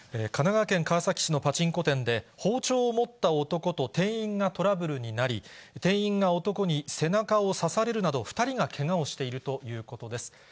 神奈川県川崎市のパチンコ店で、包丁を持った男と店員がトラブルになり、店員が男に背中を刺されるなど、２人がけがをしているということです。